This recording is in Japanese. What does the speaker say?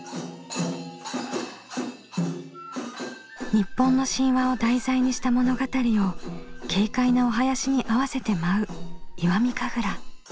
日本の神話を題材にした物語を軽快なお囃子に合わせて舞う石見神楽。